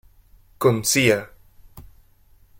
Con Cía.